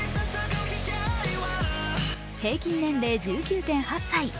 平均年齢１９．８歳。